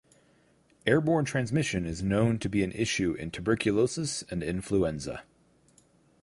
Airborne transmission is known to be an issue in tuberculosis and influenza.